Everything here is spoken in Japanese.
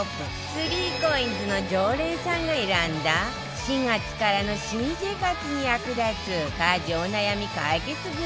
３ＣＯＩＮＳの常連さんが選んだ４月からの新生活に役立つ家事お悩み解決グッズ